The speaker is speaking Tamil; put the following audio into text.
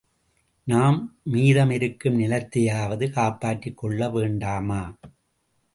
நாம் மீதம் இருக்கும் நிலத்தையாவது காப்பாற்றிக் கொள்ள வேண்டாமா?